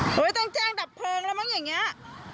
ต้องแจ้งดับเพลิงแล้วมั้งอย่างนี้